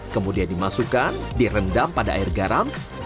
kemudian dimasukkan direndam pada air garam